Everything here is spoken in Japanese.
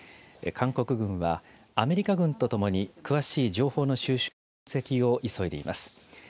韓国軍は、アメリカ軍とともに詳しい情報の収集、分析を急いでいます。